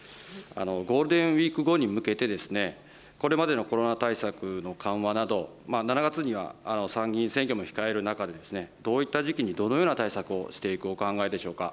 ゴールデンウィーク後に向けて、これまでのコロナ対策の緩和など、７月には参議院選挙も控える中で、どういった時期にどのような対策をしていくお考えでしょうか。